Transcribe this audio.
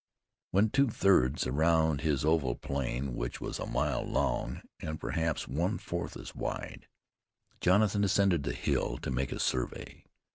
When two thirds around this oval plain, which was a mile long and perhaps one fourth as wide, Jonathan ascended the hill to make a survey.